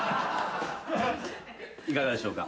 いかがでしょうか？